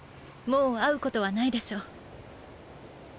もう会うことはないでしょう。